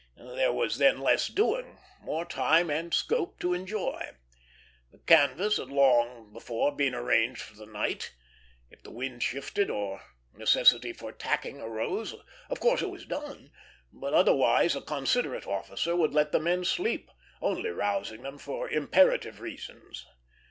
There was then less doing; more time and scope to enjoy. The canvas had long before been arranged for the night. If the wind shifted, or necessity for tacking arose, of course it was done; but otherwise a considerate officer would let the men sleep, only rousing them for imperative reasons.